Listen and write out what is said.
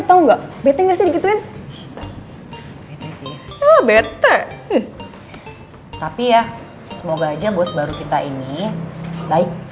tahu nggak bete ga sih dikituin bete sih ya bete tapi ya semoga aja bos baru kita ini baik